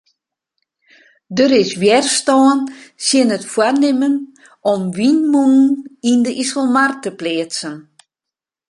Der is wjerstân tsjin it foarnimmen om wynmûnen yn de Iselmar te pleatsen.